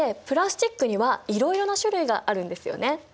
プラスチックにはいろいろな種類があるんですよね？